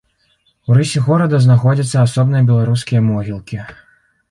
У рысе горада знаходзяцца асобныя беларускія могілкі.